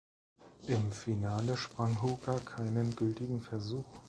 Im Finale sprang Hooker keinen gültigen Versuch.